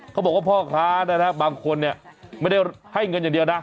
เขาบอกว่าพ่อค้านะครับบางคนเนี่ยไม่ได้ให้เงินอย่างเดียวนะ